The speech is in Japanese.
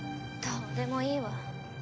どうでもいいわ。